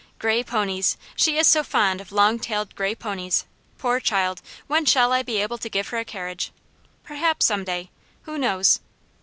"Grey ponies! she is so fond of long tailed grey ponies. Poor child! when shall I be able to give her a carriage? Perhaps some day who knows!"